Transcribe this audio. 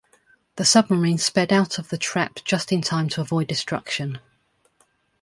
The submarine sped out of the trap just in time to avoid destruction.